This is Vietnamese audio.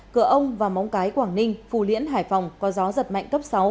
cửa ông và móng cái quảng ninh phù liễn hải phòng có gió giật mạnh cấp sáu